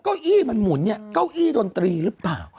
เก้าอี้มันหมุนเนี่ยเก้าอี้ดนตรีหรือเปล่า